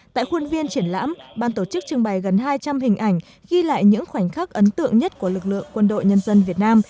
tại khuôn viên triển lãm ban tổ chức trưng bày gần hai trăm linh hình ảnh ghi lại những khoảnh khắc ấn tượng nhất của lực lượng quân đội nhân dân việt nam